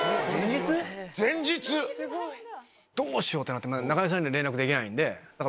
えっ⁉どうしよう⁉ってなって中居さんに連絡できないんで。